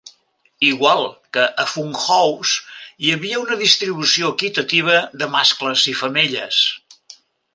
Igual que a "Fun House", hi havia una distribució equitativa de mascles i femelles.